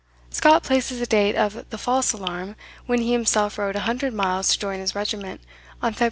Scott places the date of "The False Alarm," when he himself rode a hundred miles to join his regiment, on Feb.